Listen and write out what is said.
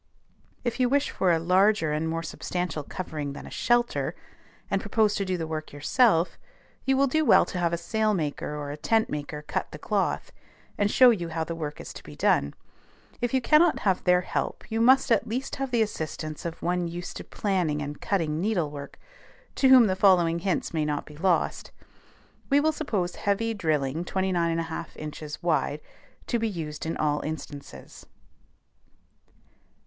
If you wish for a larger and more substantial covering than a "shelter," and propose to do the work yourself, you will do well to have a sailmaker or a tent maker cut the cloth, and show you how the work is to be done. If you cannot have their help, you must at least have the assistance of one used to planning and cutting needle work, to whom the following hints may not be lost. We will suppose heavy drilling 29 1/2 inches wide to be used in all instances.